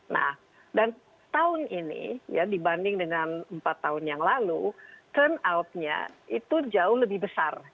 nah dan tahun ini ya dibanding dengan empat tahun yang lalu turnoutnya itu jauh lebih besar